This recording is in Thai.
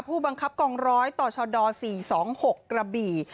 ผู้บังคับกองร้อยต่อชด๔๒๖กระบี่